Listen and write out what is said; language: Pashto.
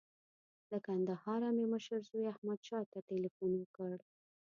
له کندهاره مې مشر زوی احمدشاه ته تیلفون وکړ.